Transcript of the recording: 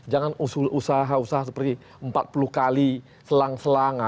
jangan usaha usaha seperti empat puluh kali selang selang